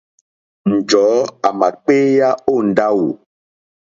Njɔ̀ɔ́ àmà kpééyá ó ndáwù.